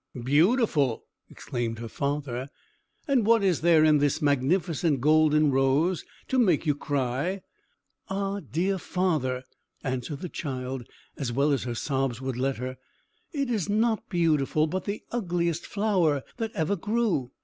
"Beautiful!" exclaimed her father. "And what is there in this magnificent golden rose to make you cry?" "Ah, dear father!" answered the child, as well as her sobs would let her; "it is not beautiful, but the ugliest flower that ever grew!